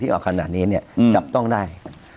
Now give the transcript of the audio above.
ออกขนาดนี้เนี่ยจับต้องได้